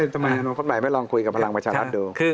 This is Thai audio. ทำไมพระบาทไม่ลองคุยกับพลังประชาธิ์ดู